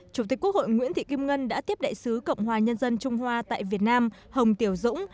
chủ tịch quốc hội nguyễn thị kim ngân đã tiếp đại sứ cộng hòa nhân dân trung hoa tại việt nam hồng tiểu dũng